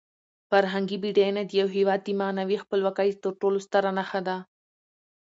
فرهنګي بډاینه د یو هېواد د معنوي خپلواکۍ تر ټولو ستره نښه ده.